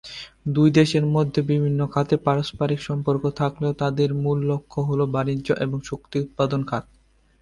দুই দেশের মধ্যে বিভিন্ন খাতে পারস্পরিক সম্পর্ক থাকলেও, তাদের মূল লক্ষ্য হল বাণিজ্য এবং শক্তি উৎপাদন খাত।